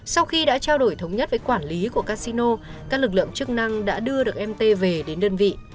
sau khi đã trao đổi thống nhất với quản lý của casino các lực lượng chức năng đã đưa được mt về đến đơn vị